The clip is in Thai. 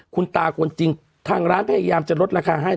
คุณตาคนจริงทางร้านพยายามจะลดราคาให้